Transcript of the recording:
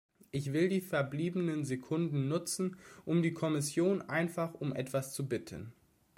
Ich will die verbliebenen Sekunden nutzen, um die Kommission einfach um etwas zu bitten.